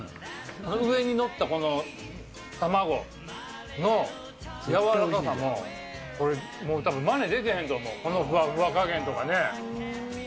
上に載ったこの卵の柔らかさも、これもうたぶんまねでけへんと思う、このふわふわ加減とかね。